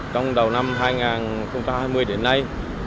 trong đầu năm hai nghìn hai mươi đến nay